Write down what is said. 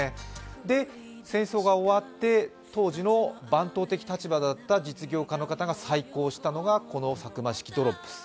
で、戦争が終わって、当時の番頭的立場だった実業の方が再興したのがこのサクマドロップス。